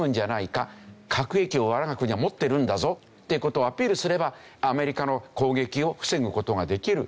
核兵器を我が国は持ってるんだぞっていう事をアピールすればアメリカの攻撃を防ぐ事ができる。